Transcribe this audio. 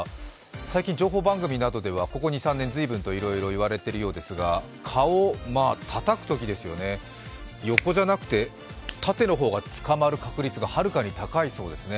最近、情報番組などではここ２３年随分と言われているようですが、蚊をたたくとき、横じゃなくて縦の方が捕まる確率がはるかに高いそうですね。